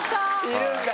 いるんだ！